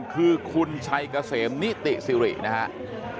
คือคุณชัยเกษมนิติสิรินะครับ